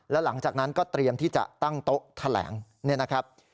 แล้วหลังจากนั้นก็เตรียมที่จะตั้งโต๊ะแถลงเนี่ยนะครับ